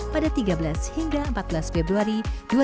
pada tiga belas hingga empat belas februari dua ribu dua puluh